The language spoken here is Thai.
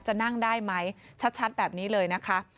จะนั่งได้ไหมชัดแบบนี้เลยนะคะ